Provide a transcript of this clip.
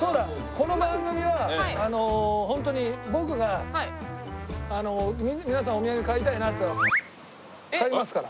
この番組はホントに僕が皆さんお土産買いたいなと買いますから。